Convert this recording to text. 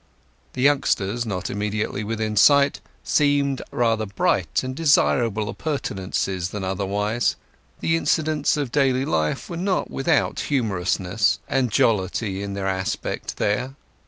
The youngsters, not immediately within sight, seemed rather bright and desirable appurtenances than otherwise; the incidents of daily life were not without humorousness and jollity in their aspect there.